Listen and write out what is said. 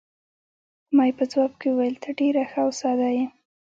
ما یې په ځواب کې وویل: ته ډېره ښه او ساده یې.